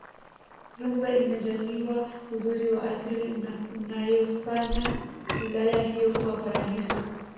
rungwe imejaliwa uzuri wa asili unayofanya wilaya hiyo kuwa paradiso